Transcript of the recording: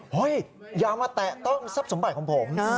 อย่ามาแตะต้องทรัพย์สมบัติของผม